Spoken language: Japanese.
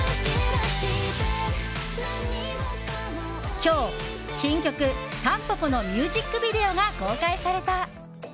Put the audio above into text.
今日、新曲「蒲公英」のミュージックビデオが公開された。